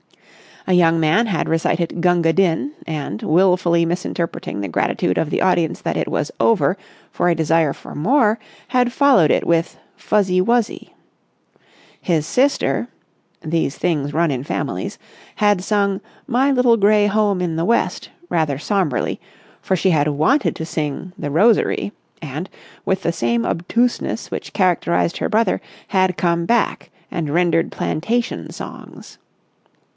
A young man had recited "Gunga Din" and, wilfully misinterpreting the gratitude of the audience that it was over for a desire for more, had followed it with "Fuzzy Wuzzy." His sister—these things run in families—had sung "My Little Gray Home in the West"—rather sombrely, for she had wanted to sing "The Rosary," and, with the same obtuseness which characterised her brother, had come back and rendered plantation songs.